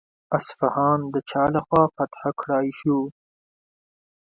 اصفهان د چا له خوا فتح کړای شو؟